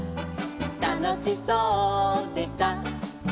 「たのしそうでさ」